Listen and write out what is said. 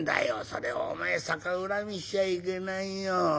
それをお前逆恨みしちゃいけないよ。